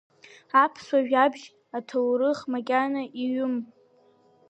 Аԥсуа жәабжь аҭоурых макьана иҩым.